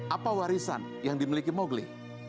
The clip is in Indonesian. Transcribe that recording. apa warisan yang dimiliki mowgli